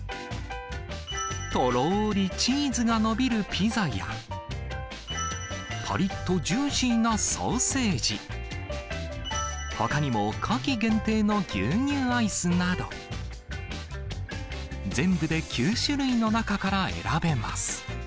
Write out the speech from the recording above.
とろーりチーズが伸びるピザや、ぱりっとジューシーなソーセージ、ほかにも夏季限定の牛乳アイスなど、全部で９種類の中から選べます。